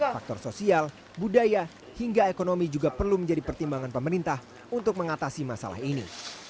faktor sosial budaya hingga ekonomi juga perlu menjadi pertimbangan pemerintah untuk mengatasi masalah ini